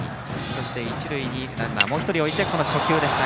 そして一塁にランナーをもう１人置いての初球でした。